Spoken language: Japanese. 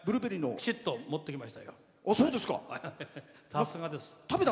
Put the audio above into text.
さすがです。